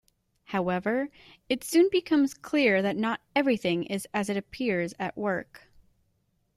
However, it soon becomes clear that not everything is as it appears at work.